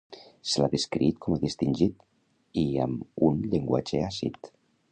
Se l'ha descrit com a "distingit" i amb un llenguatge àcid.